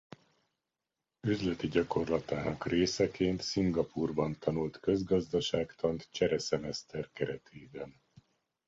Üzleti gyakorlatának részeként Szingapúrban tanult közgazdaságtant csere szemeszter keretében.